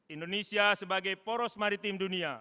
indonesia sebagai poros maritim